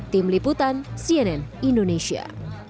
tim liputan cnn indonesia